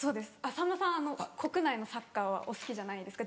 さんまさん国内のサッカーはお好きじゃないですか？